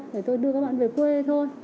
để tôi đưa các bạn về quê thôi